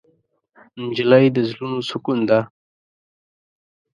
نجلۍ د زړونو سکون ده.